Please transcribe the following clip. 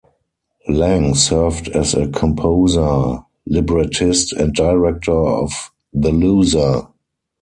Lang served as composer, librettist and director of "the loser".